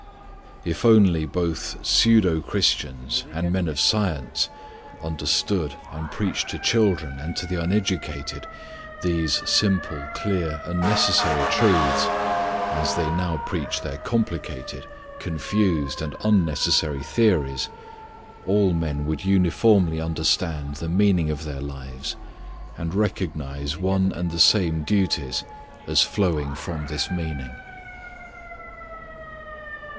If only both pseudo Christians and men of science understood and preached to children and to the uneducated these simple, clear, and necessary truths as they now preach their complicated, confused, and unnecessary theories, all men would uniformly understand the meaning of their lives and recognize one and the same duties as flowing from this meaning.